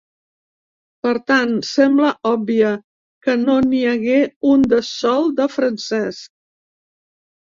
Per tant, sembla òbvia que no n’hi hagué un de sol, de Francesc.